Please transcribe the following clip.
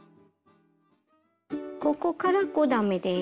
ここから５段めです。